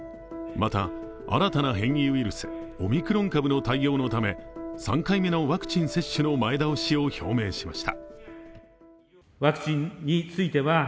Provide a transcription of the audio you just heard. また、新たな変異ウイルスオミクロン株の対応のため３回目のワクチン接種の前倒しを表明しました。